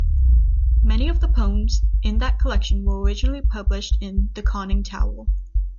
Many of the poems in that collection were originally published in "The Conning Tower".